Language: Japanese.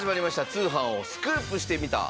『通販をスクープしてみた！！』。